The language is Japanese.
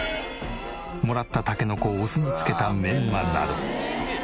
もらったタケノコをお酢に漬けたメンマなど。